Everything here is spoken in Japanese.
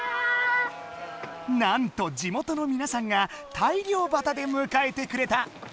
なんと地元のみなさんが大漁旗でむかえてくれた！